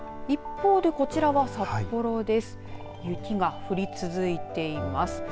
一方で、こちらは札幌です。